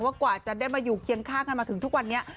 กว่าจะได้มาอยู่เคียงข้างกันมาถึงทุกวันนี้